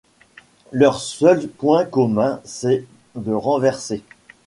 Leur seul point commun, c’est de renverser.